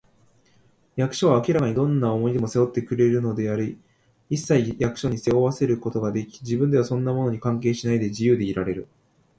役所は明らかにどんな重荷でも担ってくれているのであり、いっさいを役所に背負わせることができ、自分ではそんなものに関係しないで、自由でいられる